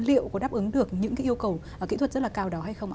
liệu có đáp ứng được những cái yêu cầu kỹ thuật rất là cao đó hay không ạ